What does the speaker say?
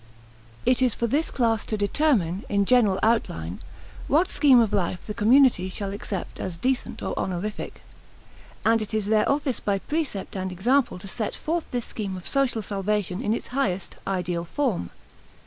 It is for this class to determine, in general outline, what scheme of Life the community shall accept as decent or honorific; and it is their office by precept and example to set forth this scheme of social salvation in its highest, ideal form.